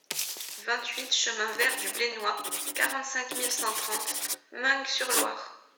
vingt-huit chemin Vert du Blénois, quarante-cinq mille cent trente Meung-sur-Loire